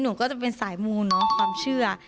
หนูก็จะเป็นสายมูเนอะความเชื่อ